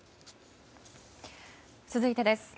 続いてです。